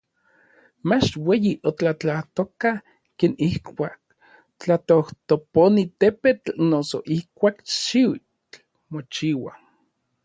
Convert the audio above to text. mach ueyi otlatlatoka, ken ijkuak tlatojtoponi tepetl noso ijkuak xiutl mochiua.